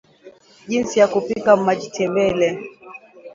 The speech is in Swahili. jinsi ya kupika majtembele